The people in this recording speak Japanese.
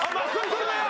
撮るなよ。